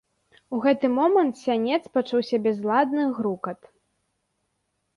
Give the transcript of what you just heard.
У гэты момант з сянец пачуўся бязладны грукат.